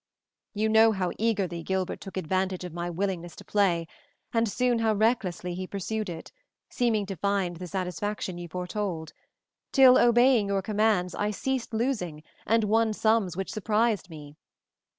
"You know how eagerly Gilbert took advantage of my willingness to play, and soon how recklessly he pursued it, seeming to find the satisfaction you foretold, till, obeying your commands, I ceased losing and won sums which surprised me.